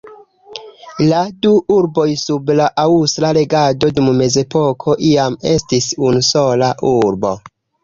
La du urboj sub la aŭstra regado dum mezepoko iam estis unu sola urbo.